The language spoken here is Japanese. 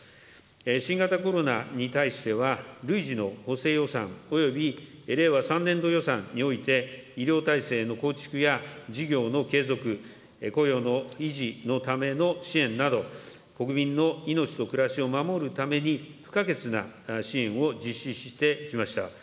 新型コロナに対しては、累次の補正予算および令和３年度予算において、医療体制の構築や事業の継続、雇用の維持のための支援など、国民の「いのち」と「くらし」を守るために、不可欠な支援を実施してきました。